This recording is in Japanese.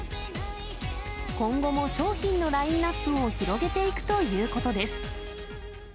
今後も商品のラインナップを広げていくということです。